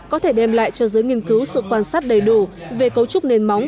có thể đem lại cho giới nghiên cứu sự quan sát đầy đủ về cấu trúc nền móng